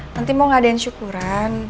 nanti mau ngadain syukuran